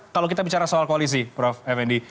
kalau kita bicara soal koalisi prof effendi